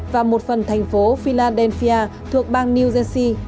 và một phần thành phố philadelphia thuộc bang new jersey